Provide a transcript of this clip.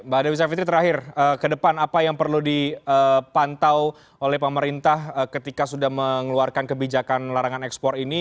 mbak dewi savitri terakhir ke depan apa yang perlu dipantau oleh pemerintah ketika sudah mengeluarkan kebijakan larangan ekspor ini